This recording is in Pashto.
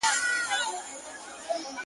جانان ته تر منزله رسېدل خو تکل غواړي،